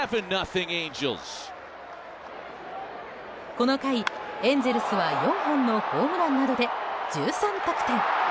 この回、エンゼルスは４本のホームランなどで１３得点。